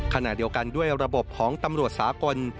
ขณะเดียวกันด้วยระบบของตำรวจสากล